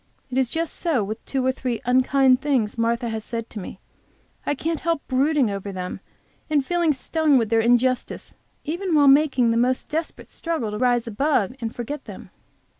It is just so with two or three unkind things Martha has said to me. I can't help brooding over them and feeling stung with their injustice, even while making the most desperate struggle to rise above and forget them.